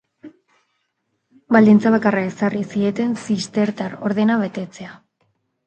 Baldintza bakarra ezarri zieten: zistertar ordena betetzea.